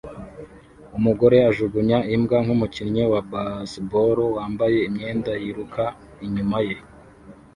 Umugore ajugunya imbwa nkumukinnyi wa baseball wambaye imyenda yiruka inyuma ye